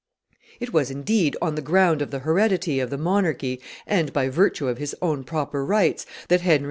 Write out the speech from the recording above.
It was, indeed, on the ground of the heredity of the monarchy and by virtue of his own proper rights that Henry IV.